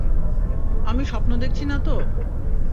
আমি স্বপ্ন দেখছি নাতো?